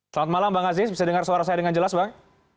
selamat malam bang aziz bisa dengar suara saya dengan jelas bang